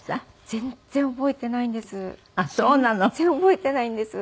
全然覚えていないんです。